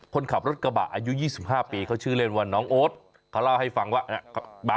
คนขับรถกระบะอายุ๒๕ปีเขาชื่อเล่นว่าน้องโอ๊ตเขาเล่าให้ฟังว่า